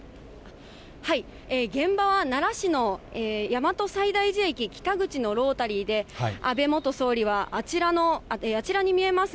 現場は奈良市の大和西大寺駅北口のロータリーで、安倍元総理は、あちらに見えます